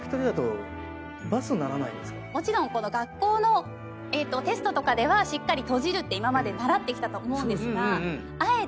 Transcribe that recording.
もちろん学校のテストとかではしっかり閉じるって今まで習ってきたと思うんですが。